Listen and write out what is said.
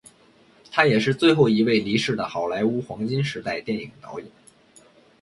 他也是最后一位离世的好莱坞黄金时代电影导演。